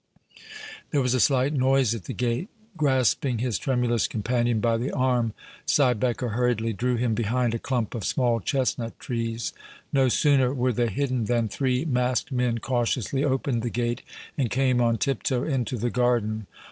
There was a slight noise at the gate. Grasping his tremulous companion by the arm, Siebecker hurriedly drew him behind a clump of small chestnut trees. No sooner were they hidden than three masked men cautiously opened the gate and came on tip toe into the garden.